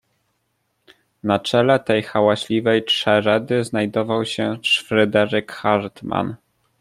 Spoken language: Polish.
"Na czele tej hałaśliwej czeredy znajdował się Fryderyk Hartmann."